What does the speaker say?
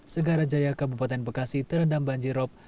segara jaya kabupaten bekasi terendam banjirop